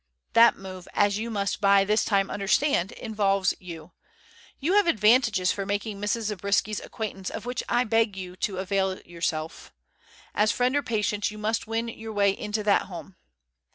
That move as you must by this time understand involves you. You have advantages for making Mrs. Zabriskie's acquaintance of which I beg you to avail yourself. As friend or patient, you must win your way into that home?